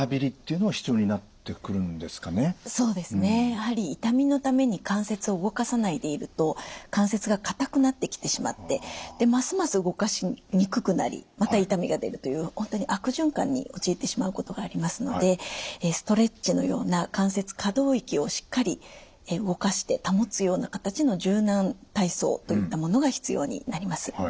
やはり痛みのために関節を動かさないでいると関節が固くなってきてしまってますます動かしにくくなりまた痛みが出るという本当に悪循環に陥ってしまうことがありますのでストレッチのような関節可動域をしっかり動かして保つような形の柔軟体操といったものが必要になります。